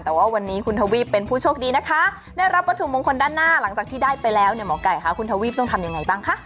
แต่ว่าวันนี้คุณทวีปเป็นผู้โชคดีนะคะได้รับวัตถุมงคลด้านหน้าหลังจากที่ได้ไปแล้วเนี่ยหมอไก่คะคุณทวีปต้องทำยังไงบ้างคะ